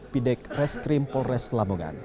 pidek reskrim polres lamongan